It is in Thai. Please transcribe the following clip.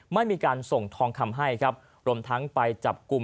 ไม่มีการส่งทองคำให้ครับรวมทั้งไปจับกลุ่ม